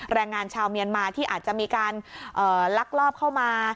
แรงงานชาวเมียนมาที่อาจจะมีการลักลอบเข้ามา